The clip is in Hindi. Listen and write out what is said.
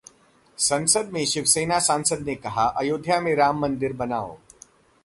संसद में शिवसेना सांसद ने कहा, अयोध्या में राम मंदिर बनाओ